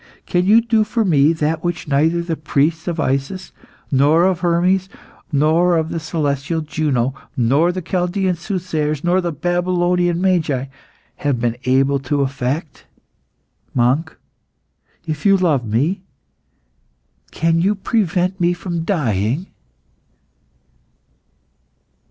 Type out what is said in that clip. can you do for me that which neither the priests of Isis, nor of Hermes, nor of the celestial Juno, nor the Chaldean soothsayers, nor the Babylonian magi have been able to effect? Monk, if you love me, can you prevent me from dying?"